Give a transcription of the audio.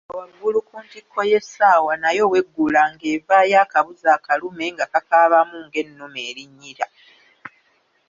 Nga waggulu ku ntikko y’essaawa nayo weggula ng’evaayo akabuzi akalume nga kakaabamu ng’ennume erinnyira.